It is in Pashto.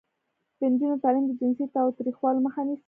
د نجونو تعلیم د جنسي تاوتریخوالي مخه نیسي.